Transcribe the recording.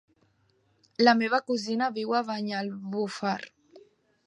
La meva cosina viu a Banyalbufar.